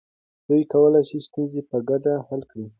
دوی کولی سي ستونزې په ګډه حل کړي.